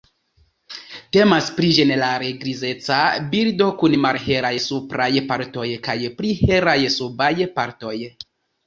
Temas pri ĝenerale grizeca birdo kun malhelaj supraj partoj kaj pli helaj subaj partoj.